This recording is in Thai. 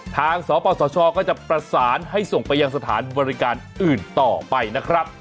สปสชก็จะประสานให้ส่งไปยังสถานบริการอื่นต่อไปนะครับ